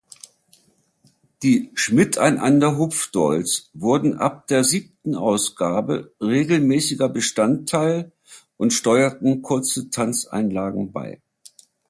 Die "Schmidteinander-Hupfdolls" wurden ab der siebten Ausgabe regelmäßiger Bestandteil und steuerten kurze Tanzeinlagen bei.